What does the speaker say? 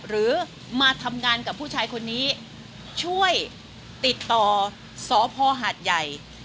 หรือมาทำงานกับผู้ชายคนนี้ช่วยติดต่อสพหาดใหญ่